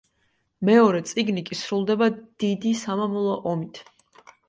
მეორე წიგნი კი სრულდება დიდი სამამულო ომით.